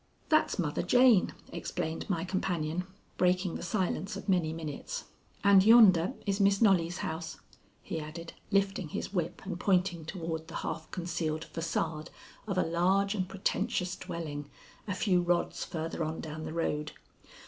"That's Mother Jane," explained my companion, breaking the silence of many minutes. "And yonder is Miss Knollys' house," he added, lifting his whip and pointing toward the half concealed façade of a large and pretentious dwelling a few rods farther on down the road.